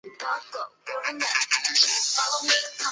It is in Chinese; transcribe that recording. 右面油箱漏出燃油即时着火。